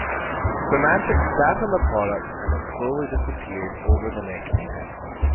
Symantec "sat" on the product and it slowly disappeared over the next year.